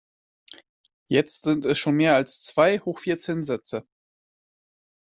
Jetzt sind es schon mehr als zwei hoch vierzehn Sätze.